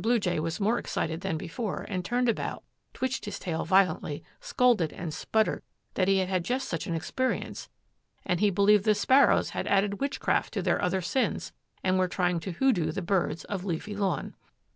Blue Jay was more excited than before and turned about, twitched his tail violently, scolded and sputtered that he had had just such an experience and he believed the sparrows had added witchcraft to their other sins and were trying to hoodoo the birds of Leafy Lawn.